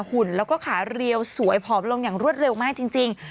หุ่นแล้วก็ขาเรียวสวยผอมลงอย่างรวดเร็วมากจริง